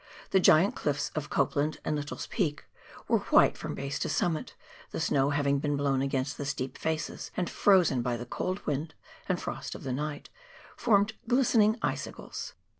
The giant cliffs of Copland and Lyttle's Peak were white from base to summit, the snow having been blown against the steep faces, and frozen by the cold wind and frost of the night, formed glistening icicles.